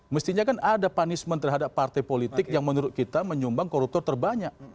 mestinya kan ada punishment terhadap partai politik yang menurut kita menyumbang koruptor terbanyak